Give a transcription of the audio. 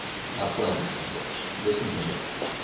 "My friends," he said, "listen to me.